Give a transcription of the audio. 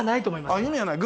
あっ意味はない。